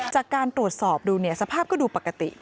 จากการตรวจสอบดูเนี่ยสภาพก็ดูปกติ